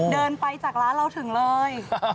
เดินไปจากร้านเราถึงเลย